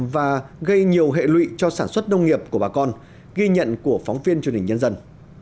và gây nhiều hệ lụy cho sản xuất nông nghiệp của bà con ghi nhận của phóng viên truyền hình nhân dân